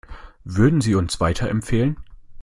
Würden Sie uns weiterempfehlen?